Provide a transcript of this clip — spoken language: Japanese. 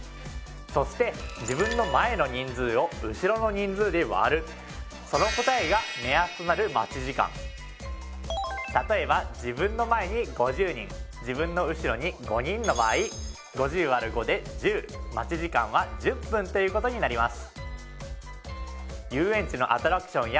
そして自分の前の人数を後ろの人数で割るその答えが目安となる待ち時間例えば自分の前に５０人自分の後ろに５人の場合５０÷５で１０待ち時間は１０分ということになります